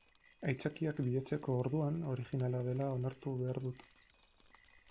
Aitzakiak bilatzeko orduan originala dela onartu behar dut.